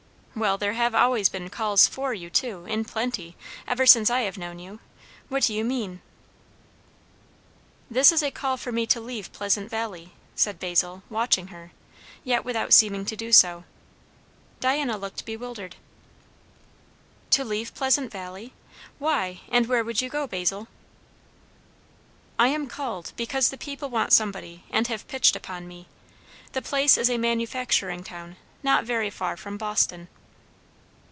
"Well, there have always been calls for you too, in plenty, ever since I have known you. What do you mean?" "This is a call to me to leave Pleasant Valley," said Basil, watching her, yet without seeming to do so. Diana looked bewildered. "To leave Pleasant Valley? Why? And where would you go, Basil?" "I am called, because the people want somebody and have pitched upon me. The place is a manufacturing town, not very far from Boston."